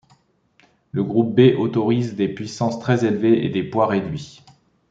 Les Groupe B autorisent des puissances très élevées et des poids réduits.